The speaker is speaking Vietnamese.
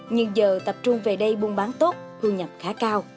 nhưng giờ tập trung về đây buôn bán tốt hương nhập khá cao